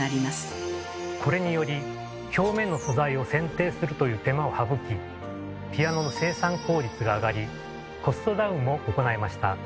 これにより表面の素材を選定するという手間を省きピアノの生産効率が上がりコストダウンも行えました。